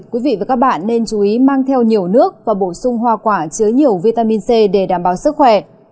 quý vị và các bạn nên chú ý mang theo nhiều nước và bổ sung hoa quả chứa nhiều vitamin c để đảm bảo sức khỏe